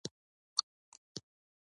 رومیان د انسان خولې ته خوند راولي